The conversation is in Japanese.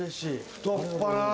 太っ腹。